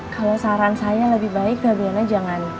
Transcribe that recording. kalau saran saya lebih baik nabiana jangan